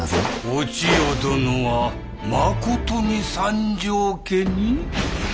お千代殿はまことに三条家に？